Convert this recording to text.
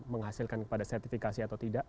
menghasilkan sertifikasi atau tidak